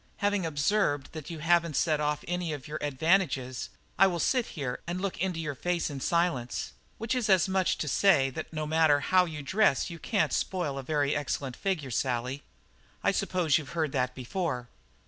Having observed that you haven't set off any of your advantages, I will sit here and look into your face in silence, which is as much as to say that no matter how you dress you can't spoil a very excellent figure, Sally. I suppose you've heard that before?"